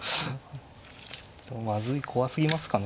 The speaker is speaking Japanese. まずい怖すぎますかね